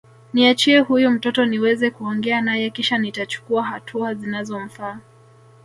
Niachie huyu mtoto niweze kuongea naye kisha nitachukua hatua zinazomfaa